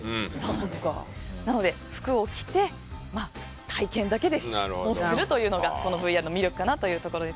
なので、服を着て体験だけをするというのがこのＶＲの魅力かなと。